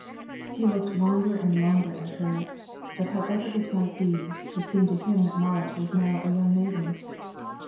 He looked longer and longer at her, but however it might be, it seemed to him that Marit was now a young maiden.